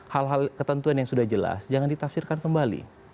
hal hal ketentuan yang sudah jelas jangan ditafsirkan kembali